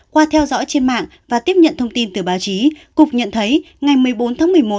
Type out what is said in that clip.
qua theo dõi trên mạng và tiếp nhận thông tin từ báo chí cục nhận thấy ngày một mươi bốn tháng một mươi một